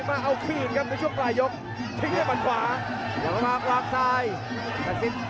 แล้วคุณแก่ขวาตีด้วยขวาสาย